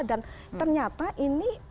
dan ternyata ini